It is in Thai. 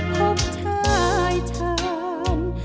พบชายฉัน